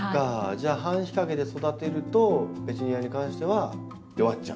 じゃあ半日陰で育てるとペチュニアに関しては弱っちゃう。